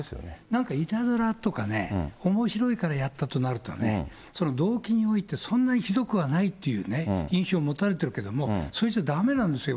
いたずらとか、おもしろいからやったとなるとね、動機において、そんなにひどくはないっていう、印象を持たれてるけれども、それじゃだめなんですよ。